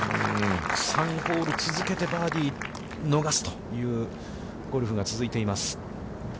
３ホール続けて、バーディーを逃すというゴルフが続いています。